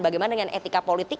bagaimana dengan etika politik